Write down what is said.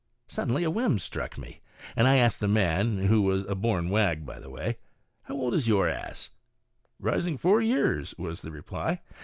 Suddenly a whim struck me, and I asked the man — who was a born wag, by the way —" How old is your ass?" " Rising four years,'' was the reply.